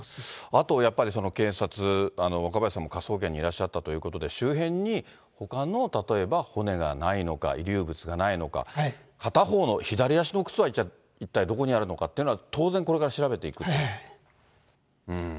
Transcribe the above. あとやっぱり、警察、若林さんも科捜研にいらっしゃったということで、周辺に、ほかの例えば骨がないのか、遺留物がないのか、片方の左足の靴はじゃあ、一体どこにあるのかっていうのは、当然、これから調べていく？